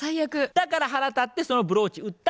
「だから腹立ってそのブローチ売った」